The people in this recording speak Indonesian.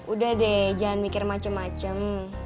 udah deh jangan mikir macem macem